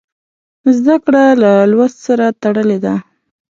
زده کړه له لوست سره تړلې ده.